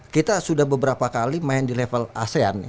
kita sudah beberapa kali main di level asean